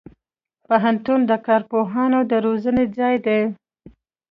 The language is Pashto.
پوهنتون د کارپوهانو د روزنې ځای دی.